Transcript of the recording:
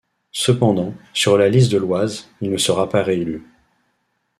Cependant, sur la liste de l'Oise, il ne sera pas réélu.